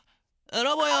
ロボよ！